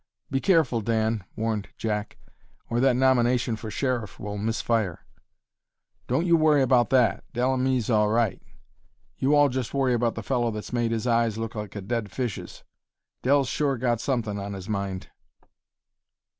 "Be careful, Dan," warned Jack, "or that nomination for sheriff will miss fire." "Don't you worry about that Dell an' me's all right; you all just worry about the fellow that's made his eyes look like a dead fish's. Dell's sure got somethin' on his mind."